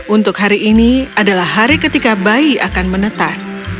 untuk hari ini adalah hari ketika bayi akan menetas